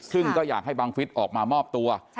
ซึ่งก็อยากให้บังฟิศออกมามอบตัว